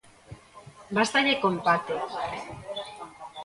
Bástalle co empate.